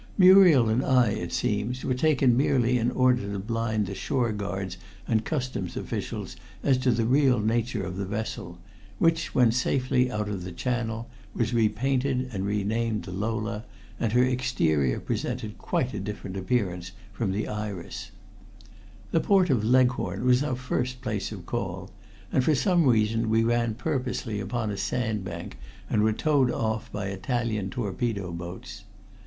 Muriel and I, it seems, were taken merely in order to blind the shore guards and Customs officials as to the real nature of the vessel, which when safely out of the Channel, was repainted and renamed the Lola, until her exterior presented quite a different appearance from the Iris. "The port of Leghorn was our first place of call, and for some reason we ran purposely upon a sandbank and were towed off by Italian torpedo boats.